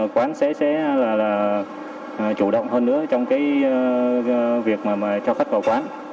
quán sẽ là chủ động hơn nữa trong việc cho khách vào quán